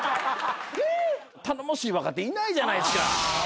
頼もしい若手いないじゃないですか。